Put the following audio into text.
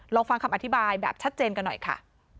ลองฟังคำอธิบายแบบชัดเจนกันหน่อยค่ะ